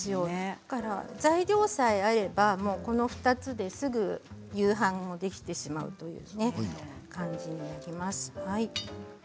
材料さえあればこの２つですぐ夕飯もできてしまうという感じになります。